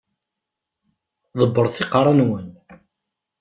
Ḍebbret iqeṛṛa-nwen!